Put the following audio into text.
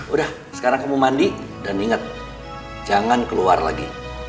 udah sekarang kamu mandi dan ingat jangan keluar lagi